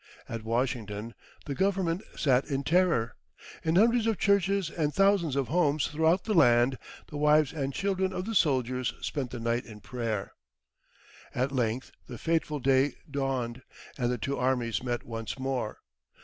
At Washington, the Government sat in terror. In hundreds of churches and thousands of homes throughout the land, the wives and children of the soldiers spent the night in prayer. At length the fateful day dawned, and the two armies met once more.